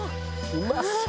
「うまそう」